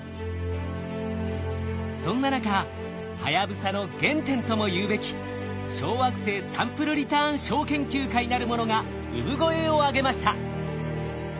そんな中はやぶさの原点ともいうべき小惑星サンプルリターン小研究会なるものが産声を上げました。